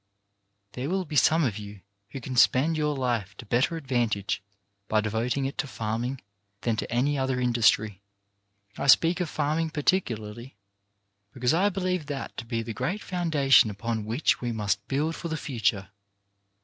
There will be some of you who can spend your life to better advantage by devoting it to farming than to any other industry. I speak of farming particularly, because I believe that to be the great foundation upon which we must build for the future.